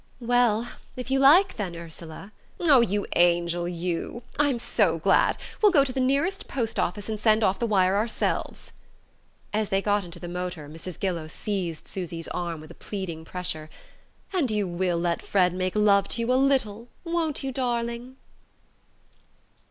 "Well, if you like, then, Ursula...." "Oh, you angel, you! I'm so glad! We'll go to the nearest post office, and send off the wire ourselves." As they got into the motor Mrs. Gillow seized Susy's arm with a pleading pressure. "And you will let Fred make love to you a little, won't you, darling?"